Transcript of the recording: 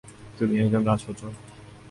তুমি একজন রাজপুত্র।